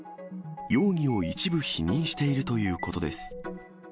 容疑を一部否認しているということです。